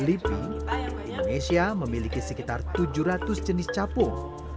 indonesia memiliki sekitar tujuh ratus jenis capung